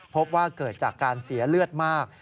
พบว่าเกิดจากการเสียเลือดมาก